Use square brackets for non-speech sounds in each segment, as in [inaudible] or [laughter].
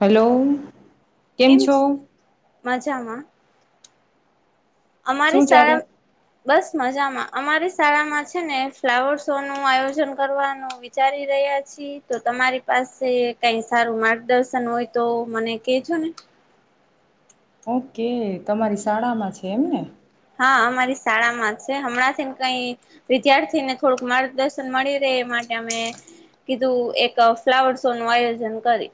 Hello. કેમ છો. મજામાં. અમારે શું સળા ચાલે? બસ મજામાં અમારી શાળામાં છે, ને ફ્લાવર શો નું આયોજન કરવાનું વિચારી રહ્યા છી તો તમારી પાસે કઈ સારું માર્ગદર્શન હોય તો મને કેજો ને ઓકે. તમારી શાળામાં છે, એમને. હા અમારી શાળામાં છે, હમણાં થીને કઈ વિદ્યાર્થી ને થોડુંક માર્ગદર્શન મળી રહે એ માટે અમે કીધું એક ફ્લાવર શો નું આયોજન કરી.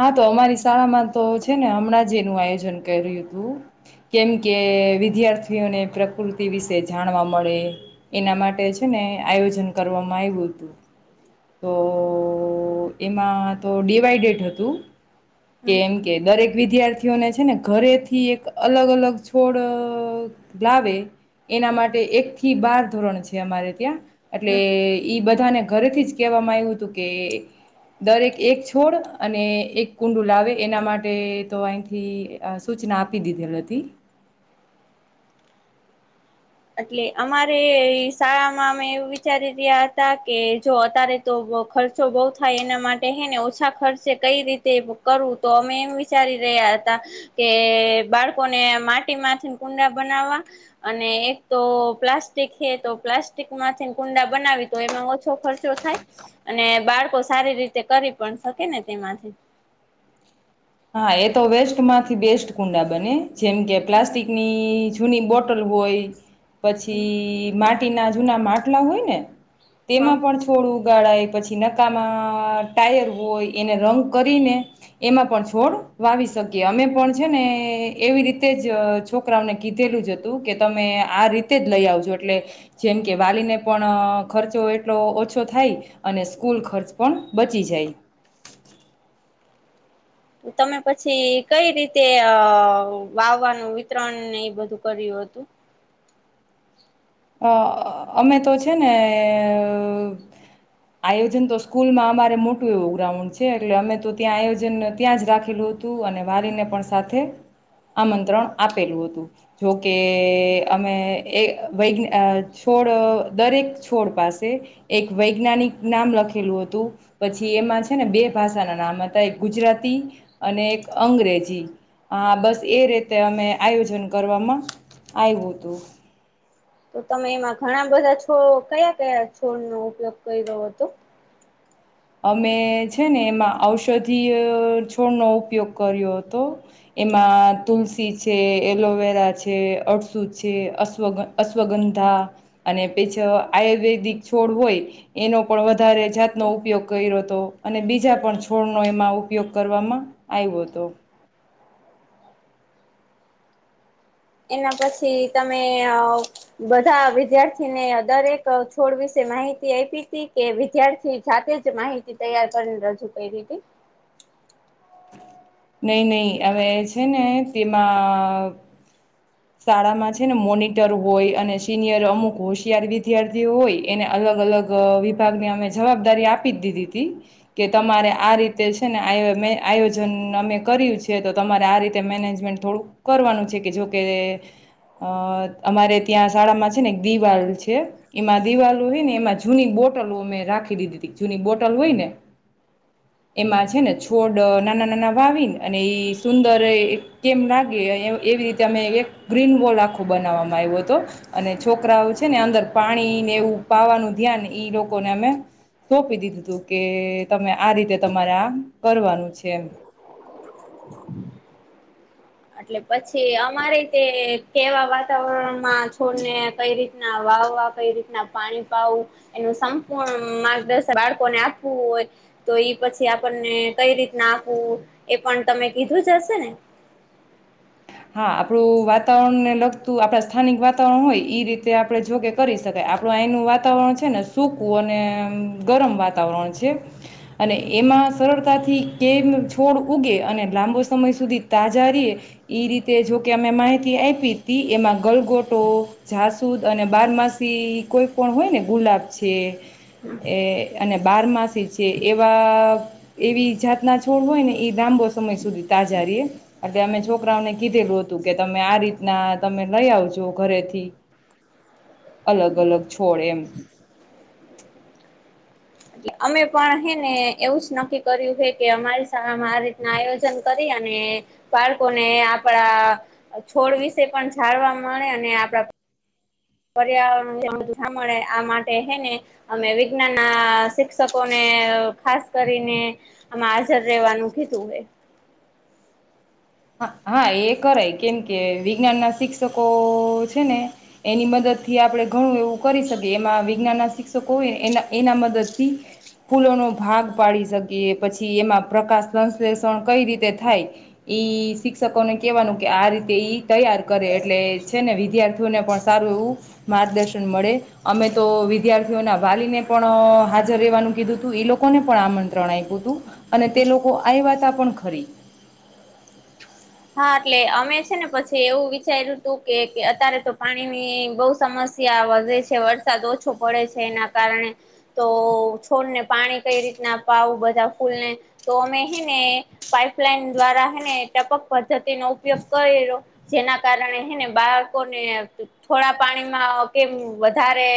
હા તો અમારી શાળામાં તો છે, ને હમણાં જ એનું આયોજન કર્યું હતું કેમ કે વિદ્યાર્થીઓને પ્રકૃતિ વિશે જાણવા મળે એના માટે છે, ને આયોજન કરવામાં આવ્યું હતું તો એમાં તો ડિવાઈડેડ હતું. [inaudible] કે હમ એમ કે દરેક. વિદ્યાર્થીઓને છે ને ઘરે થી એક અલગ અલગ છોડ લાવે એના માટે એક થી બાર ધોરણ છે, અમારે ત્યાં એટલે હમ ઈ બધાને ઘરેથી જ કહેવામાં આવ્યું હતું કે દરેક એક છોડ. અને એક કુંડું લાવે એના માટે તો અહીંથી સૂચના આપી દીધેલ હતી. એટલે અમારે શાળામાં અમે એવું વિચારી રહ્યા હતા કે જો અત્યારે તો ખર્ચો બહુ થાય એના માટે હે ને ઓછા ખર્ચે કઈ રીતે કરવું તો અમે એમ વિચારી રહ્યા હતા કે બાળકોને માટી મામાંથી કુંડા બનાવવા અને તો પ્લાસ્ટિક છે, તો પ્લાસ્ટિક માંથી કુંડા બનાવી તો એમાં ઓછો ખર્ચો થાય અને બાળકો સારી રીતે કરી પણ શકે ને તેમાંથી. હા એ તો વેસ્ટ માંથી બેસ્ટ કુંડા બને. જેમ કે પ્લાસ્ટિકની. [unintelligible] બોટલ હોય. પછી [inaudible] ટી ના જૂના માટલા હોય ને. હા તેમાં પણ થોડું. [unintelligible] પછી નકામાં ટાયર હોય એને રંગ કરીને એમાં પણ છોડ વાવી શકીએ અમે પણ છે, ને એવી રીતે જ છોકરાઓને કીધેલું જ હતું કે તમે આ રીતે જ લઈ આવજો એટલે જેમ કે વાલીને પણ ખર્ચો એટલો ઓછો થાય અને સ્કૂલ ખર્ચ પણ બચી જાય. તમે પછી કઈ રીતે અ વાવવાનું વિતરણ ને એ બધું કર્યું હતું. અ અમે તો છે ને આયોજન તો સ્કૂલમાં અમારે મોટું એવું ગ્રાઉન્ડ છે એટલે અમે તો ત્યાં આયોજન ત્યાં જ રાખેલું. તું અને વારીને પણ સાથે આમંત્રણ આપેલું હતું જોકે અમે એ. વૈજ્ છોડ દરેક છોડ પાસે એક વૈજ્ઞાનિક નામ લખેલું હતું પછી એમાં છે ને બે ભાષાના નામ હતા એક ગુજરાતી અને એક અંગ્રેજી આ બસ એ રીતે અમે આયોજન કરવામાં આવ્યું હતું તો તમે એમાં ઘણા બધા છોડ કયા કયા છોડનો ઉપયોગ કર્યો હતો અમે છે ને એમાં ઔષધીય છોડનો ઉપયોગ કર્યો હતો એમાં તુલસી છે એલોવેરા છે અડસુ છે અશ્વ અશ્વગંધા અને પછી આયુર્વેદિક છોડ હોય એનો પણ વધારે જાતનો ઉપયોગ કર્યો હતો અને બીજા પણ છોડનો એમાં ઉપયોગ કરવામાં આવ્યો હતો એના પછી તમે અ બધા વિદ્યાર્થીને દરેક છોડ વિશે માહિતી આપી હતી કે વિદ્યાર્થી જાતે જ માહિતી તૈયાર કરીને રજૂ કરીદે હતીી નઈ નહી હવે છે ને તેમાં શાળામાં છે ને મોનિટર હોય અને સિનિયર અમુક હોશિયાર વિદ્યાર્થીઓ હોય એને અલગ અલગ વિભાગને અમે જવાબદારી આપી જ દીધી હતી કે તમારે આ રીતે છે ને આ મે આયોજન નામે કરયુ છે તો તમારે આ રીતે મેનેજમેન્ટ થોડું કરવાનું છે કે જોકે અ અમારે ત્યાં શાળામાં છે ને એક દિવાલ છે એમાં દિવાલ હોય ને એમાં જૂની બોટલો અમે રાખી દીધી જૂની બોટલ હોય ને એમાં છેને છોડના નાના વાવી અને ઈ સુંદર કેમ લાગે એવી રીતે અમે એક ગ્રીન બોલ આખો બનાવવામાં આવ્યો હતો અને છોકરાઓ છે ને અંદર પાણીને એવું પાવાનું ધ્યાન ઈ લોકોને અમે સોંપી દીધું હતું કે તમે આ રીતે તમારે આ કરવાનું છે એટલે પછી અમારેી તે કેવા વાતાવરણમાં છોડને કઈ રીતના વાવવા કઈ રીતના પાણી પાવું એનું સંપૂર્ણ માર્ગદર્શન બાળકોને આપવું હોય તો એ પછી આપણને કઈ રીતના આપવું એ પણ તમે કીધું જ હશે ને હા આપણું વાતાવરણને લગતું આપણા સ્થાનિક વાતાવરણ હોય એ રીતે આપડણે જોકે કરી શકાય આપડું એનું વાતાવરણ છે ને સૂકું અને ગરમ વાતાવરણ છે અને એમાં સરળતાથી કેમ છોડ ઉગે અને લાંબો સમય સુધી તાજા રએ એ રીતે જોકે અમે માહિતી આપી તી એમાં ગલગોટો જાસૂદ અને બારમાસી કોઈ પણ હોય ને ગુલાબ છે એ અને બારમાસી છે એવા એવી જાતના છોડ હોય ને એ લાંબો સમય સુધી તાજા રએ એટલે અમે જો છોકરાઓને કીધેલું હતું કે તમે આ રીતના તમે લઈ આવજો ઘરેથી અલગ અલગ છોડ એમ એટલે અમે પણ હે ને એવું જ નક્કી કર્યું હ કે અમારી શાળામાં આ રીતના આયોજન કરી અને બાળકોને આપડા છોડ વિશે પણ જાણવા મળે અને આપડા પર્યાવરણ સામતુ સાંભળે આ માટે હેને અમે વિજ્ઞાન ના શિક્ષકોને ખાસ કરીને આમાં હાજર રહેેવાનું કીધું હે હા એ કરાય કેમકે વિજ્ઞાન ના શિક્ષકોઓ છે ને એની મદદ થી આપણે ઘણું એવું કરી શકીએ એમાં વિજ્ઞાન ના શિક્ષકો હોયને એના એના મદદ થી ફૂલોનો ભાગ પાડી શકીએ પછી એમાં પ્રકાશ સંશ્લેષણ કઈ રીતે થાય એઈ શિક્ષકોને કહેવાનું કે આ રીતે ઈ તૈયાર કરે એટલે છે ને વિદ્યાર્થીઓને પણ સારું એવું માર્ગદર્શન મળે અમે તો વિદ્યાર્થીઓના વાલીને પણ હાજર રહેવાનું કીધું હતું એ લોકોને પણ આમંત્રણ આપ્યું હતું અને તે લોકો આવયાતા પણ ખરી હા એટલે અમે છે ને પછી એવું વિચાર્યું હતું કે અત્યારે તો પાણીની બહુ સમસ્યા વધે છે વરસાદ ઓછો પડે છે એના કારણે તો છોડને પાણી કઈ રીતના પાવુ બધા ફૂલને તો અમે હેને પાઈપલાઈન દ્વારા હને ટપક પદ્ધતિનો ઉપયોગ કર્યો જેના કારણે એને બાળકોને થોડા પાણીમાં કેમ વધારે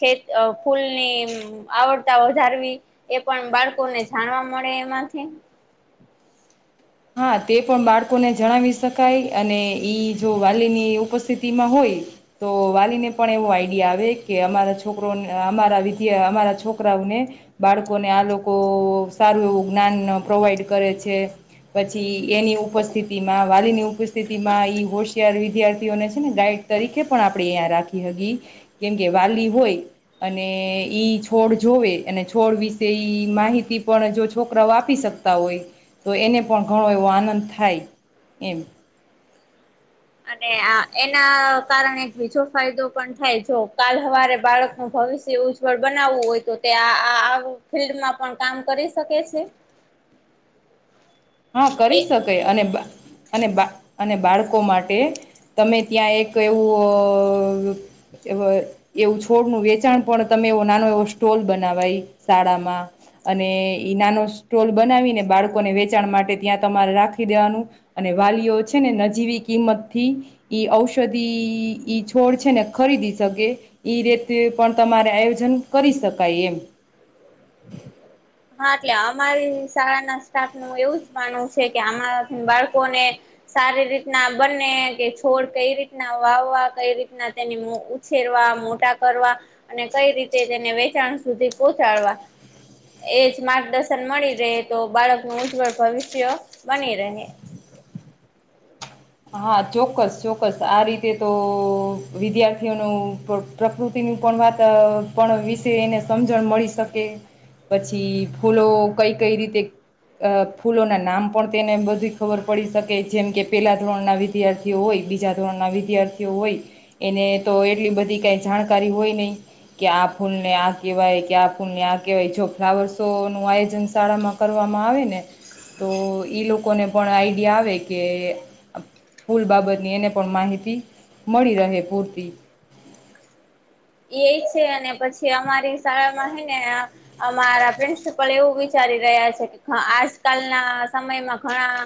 ખેત ફૂલની આવડતા વધારવી એ પણ બાળકોને જાણવા મળે એમાંથી હા તે પણ બાળકોને જણાવી શકાય અને ઈ જો વાલીની ઉપસ્થિતિમાં હોય તો વાલીને પણ એવો આઈડિયા આવે કે અમારા છોકરો અમારા વિદ્યા અમારા છોકરાઓને બાળકોને આ લોકો સારું એવું જ્ઞાન પ્રોવાઈડ કરે છે પછી એની ઉપસ્થિતિ ઈમાં વાલીની ઉપસ્થિતિમાં ઈ હોશિયાર વિદ્યાર્થીઓને છે ને શું ગાઈડ તરીકે પણ આપણે અહીંયા રાખી હકી કેમકે વાલી હોય અને ઈ છોડ જોવે અને છોડ વિશે માહિતી પણ જો છોકરાઓ આપી શકતા હોય તો એને પણ ઘણો એવો આનંદ થાય એમ અને આ એના કારણે બીજો ફાયદો પણ થાય જો કાલ સવારે બાળકનું ભવિષ્ય ઉજ્જવળ બનાવવું હોય તો તે આ ફિલ્ડમાં પણ કામ કરી શકે છે હા કરી એ શકે અને અને બા અને બા અને બાળકો બાળકો માટે તમે ત્યાં એક એવું એવું છોડનું વેચાણ પણ તમે એવો નાનો એવો સ્ટોલ બનાવાય શાળામાં અને નાનો સ્ટોલ બનાવીને બાળકોને વેચાણ માટે ત્યાં તમારે રાખી દેવાનું અને વાલીઓ છે ને નજીવી કિંમત થી ઔષધિ ઈ છોડ છે ને ખરીદી શકે એ રીતે પણ તમારે આયોજન કરી શકાય એમ હા એટલે અમારી શાળાના સ્ટાફ નું એવું જ માનવું છે કે અમારા થી બાળકોને સારી રીતના બને કે છોડ કઈ રીતના વાવવા કઈ રીતના તેની ઉછેરવા મોટા કરવા અને કઈ રીતે તેને વેચાણ સુધી પહોચાડવા એ જ માર્ગદર્શન મળી રહે તો બાળકનું ઉજ્જવળ ભવિષ્ય બની રહે હા ચોક્કસ ચોક્કસ આ રીતે તોઓ વિદ્યાર્થીઓનું પ્ર પ્રકૃતિનું પણ વાત પણ વિશે એને સમજણ મળી શકે પછી ફૂલો કઈ કઈ રીતે ફૂલોના નામ પણ તેને બધી ખબર પડી શકે જેમ કે પેલા ધોરણના વિદ્યાર્થીઓ હોય બીજા ધોરણના વિદ્યાર્થીઓ હોય એને તો એટલી બધી કાંઈ જાણકારી હોય નહીં કે આ ફૂલને આ કહેવાય કે આ ફૂલને આ કહેવાય જો ફ્લાવર શો નું આયોજન શાળામાં કરવામાં આવે ને તો ઈ લોકોને પણ આઈડિયા આવે કે ફુલ બાબતની એને પણ માહિતી મળી રહે પૂરતી એ છે અને પછી અમારી શાળામાં છે હેને અમારા પ્રિન્સિપલ એવું વિચારી રહ્યા છે કે આજકાલના સમયમાં ઘણા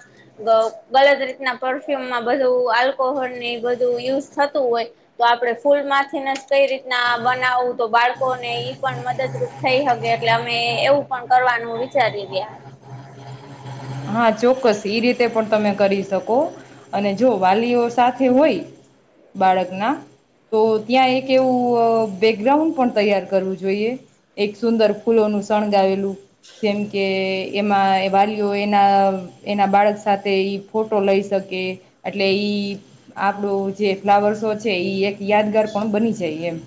ગ ગલદ રીતના પરફ્યુમમાં બધું આલ્કોહોલ ની બધું યુઝ થતું હોય તો આપડણે ફૂલ માંથીને કઈ રીત ના બનાવું તો બાળકોને ઈ પણ મદદરૂપ થઈ હકે એટલે અમે એવું પણ કરવાનું વીચારી રહ્યા હા ચોક્કસ એઈ રીતે પણ તમે કરી શકો અને જો વાલીઓ સાથે હોય બાળકના તો ત્યાં એક એવું બેકગ્રાઉન્ડ પણ તૈયાર કરવું જોઈએ એક સુંદર ફૂલોનું શણગાવેલું જેમ કે એમાં વાલીઓ એ એના એના બાળક સાથે ફોટો લઈ શકે એટલે ઈ આપણું જે ફ્લાવર શો છે એક યાદગાર પણ બની જાય એમ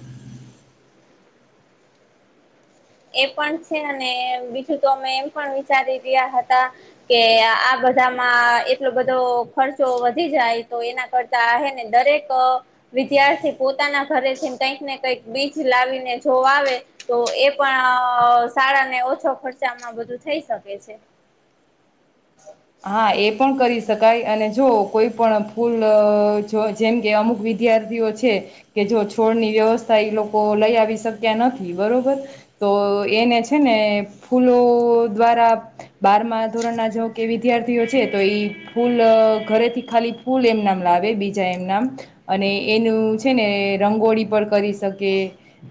એ પણ છે બીજું તો અમે એમ પણ વિચારી રહ્યા હતા કે આ બધામાં એટલો બધો ખર્ચો વધી જાય તો એના કરતા ને દરેક વિધ્યાર્થી પોતાના ઘરેથીને કઈક ને કઈક બીજ લાવીને જો આવે તો એ પણ શાળા ને ઓછો ખર્ચામાં બધું થઈ શકે છે હા એ પણ કરી શકાય અને જો કોઈ પણ ફૂલ જો જેમ કે અમુક વિદ્યાર્થીઓ છે કે જો છોડની વ્યવસ્થા એ લોકો લઈ આવી શક્યા નથી બરોબર તો એને છે ને ફૂલો દ્વારા બારમાં ધોરણના જો કે વિદ્યાર્થીઓ છે તો એઈ ફૂલ ઘરેથી ખાલી ફૂલ એમ નામ લાવે બીજા એમ નામ અને એનું છે ને રંગોળી પર કરી સકે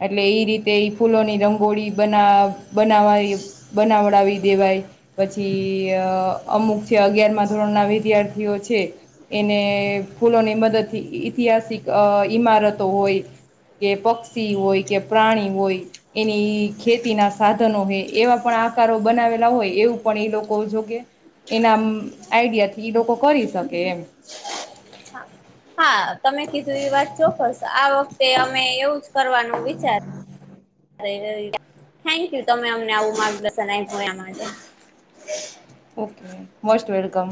એટલે એ રીતે એ ફૂલોની રંગોળી બના બનાવાવી બનાવડાવી દેવાય પછી અ અમુક છે અગિયારમાં ધોરણ ના વિદ્યાર્થીઓ છે એને ફૂલોની મદદથી ઐતિહાસિક ઈમારતો હોય કે પક્ષી હોય કે પ્રાણી હોય એની ખેતીના સાધનો હોય એવા પણ આકારો બનાવેલા હોય એવું પણ એ લોકો જોકે. એનામ આઈડિયા થી એ લોકો કરી શકે એમ. હા હા તમે કીધું એ વાત ચોક્કસ આ વ તે અમે એવું કરવાનું વિચાર થેન્કયુ તમે અમને આવું માર્ગદર્શન [unintelligible] ઓકે. Most welcome.